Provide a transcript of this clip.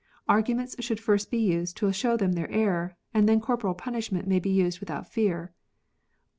Arguments should first be used to show them their error, and then corporal punishment may be used without fear.